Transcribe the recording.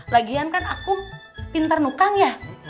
lagian kan aku pintar nukang ya